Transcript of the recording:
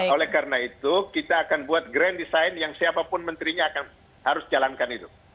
oleh karena itu kita akan buat grand design yang siapapun menterinya akan harus jalankan itu